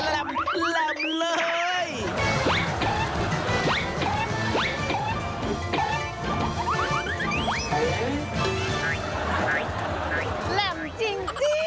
ลำจริง